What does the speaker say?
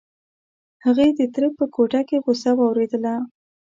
هغې د تره په کوټه کې غوسه واورېدله.